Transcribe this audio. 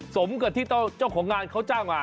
สมกับที่เจ้าของงานเขาจ้างมา